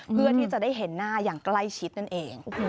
เพื่อที่จะได้เห็นหน้าอย่างใกล้ชิดนั่นเอง